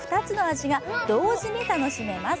味が同時に楽しめます。